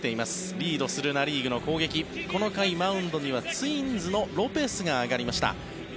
リードするナ・リーグの攻撃この回、マウンドにはツインズのロペスが上がりました。